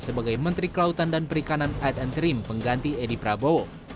sebagai menteri kelautan dan perikanan aid and trim pengganti edi prabowo